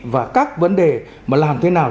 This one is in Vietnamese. và các vấn đề mà làm thế nào